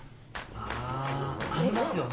あありますよね